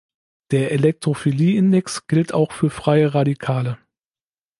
Der Elektrophilie-Index gilt auch für freie Radikale.